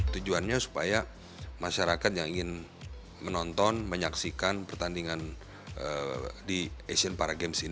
tujuannya supaya masyarakat yang ingin menonton menyaksikan pertandingan di asia